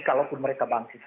kalaupun mereka bangkit